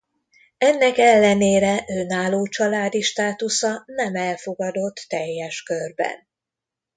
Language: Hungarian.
Ennek ellenére önálló családi státusza nem elfogadott teljes körben.